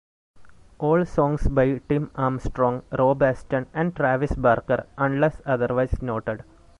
All songs by Tim Armstrong, Rob Aston and Travis Barker unless otherwise noted.